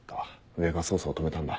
上が捜査を止めたんだ。